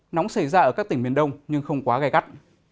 nóng xảy ra ở các tỉnh miền đông nhưng không quá gai gắt